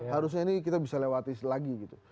harusnya ini kita bisa lewati lagi gitu